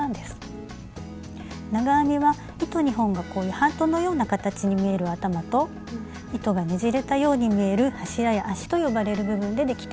長編みは糸２本がこういうハートのような形に見える「頭」と糸がねじれたように見える「柱や足」と呼ばれる部分でできています。